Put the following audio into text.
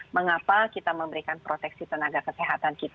mengapa kita memberikan proteksi tenaga kesehatan kita